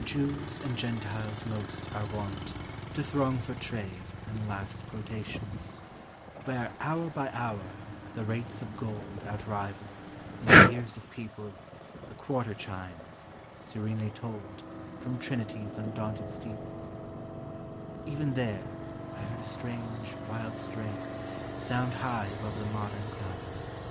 lews and Gentiles mosl are wont To throng for trade and last quotations ; Where, hour by hour, the rates of gold Outrival, in the ears of people, The quarter chimes, serenely tolled From Trinity's undaunted steeple,— Even there 1 heard a strange, wild strain Sound high above the modern clamor, 380 POEMS OF SEXTIMEXT.